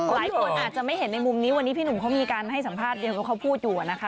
หลายคนอาจจะไม่เห็นในมุมนี้วันนี้พี่หนุ่มเขามีการให้สัมภาษณ์เดียวกับเขาพูดอยู่นะคะ